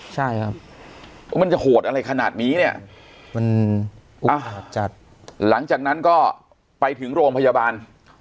ใช่ครับว่ามันจะโหดอะไรขนาดนี้เนี่ยมันอุกอาจจัดหลังจากนั้นก็ไปถึงโรงพยาบาล